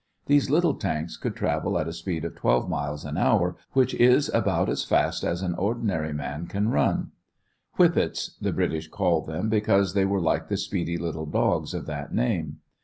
These little tanks could travel at a speed of twelve miles an hour, which is about as fast as an ordinary man can run. "Whippets," the British called them, because they were like the speedy little dogs of that name.